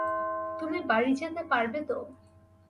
তুমি বাড়ি যেতে পারবে তো?